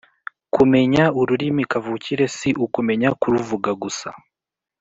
Kumenya ururimi kavukire si ukumenya kuruvuga gusa